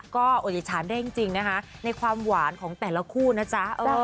ก็อดอิจฉานได้จริงนะคะในความหวานของแต่ละคู่นะจ๊ะ